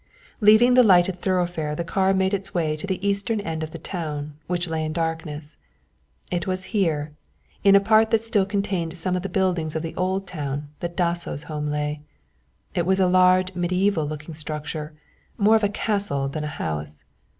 Leaving the lighted thoroughfare the car made its way to the eastern end of the town, which lay in darkness. It was here, in a part that still contained some of the buildings of the old town, that Dasso's home lay. It was a large mediæval looking structure, more of a castle than a house.